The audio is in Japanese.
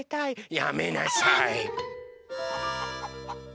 やめなさい！